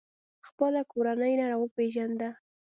خپله کورنۍ یې را وپیژنده.